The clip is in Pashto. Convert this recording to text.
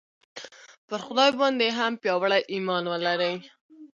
پر خدای باندې هم پیاوړی ایمان ولرئ